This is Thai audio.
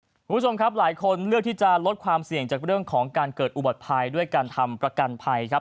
คุณผู้ชมครับหลายคนเลือกที่จะลดความเสี่ยงจากเรื่องของการเกิดอุบัติภัยด้วยการทำประกันภัยครับ